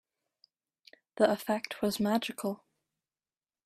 The effect was magical.